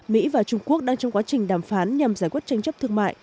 mỹ và trung quốc đang trong quá trình đàm phán nhằm giải quyết tranh chấp thương mại